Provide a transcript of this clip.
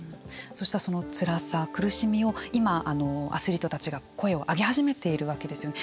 そうしたそのつらさ苦しみを今アスリートたちが声を上げ始めているわけですよね。